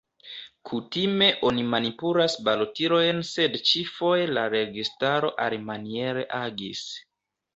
Kutime oni manipulas balotilojn sed ĉi-foje la registaro alimaniere agis.